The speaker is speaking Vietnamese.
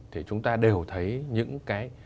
thì chúng ta đều thấy những cái